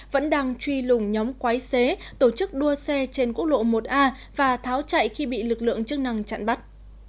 vẫn đang truy lùng nhóm quái xế tổ chức đua xe trên quốc lộ một a và tháo chạy khi bị lực lượng chức năng chặn bắt